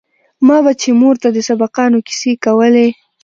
ما به چې مور ته د سبقانو کيسې کولې.